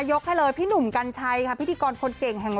ยกให้เลยพี่หนุ่มกันชัยพิดีกรคนเก่ง